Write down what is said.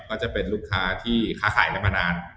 ก็จะเป็นลูกค้าที่ค้าขายกันมานาน